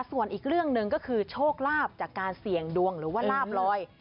ส่วนอีกเรื่องหนึ่งก็คือโชคลาภจากการเสี่ยงดวงหรือว่าลาบลอย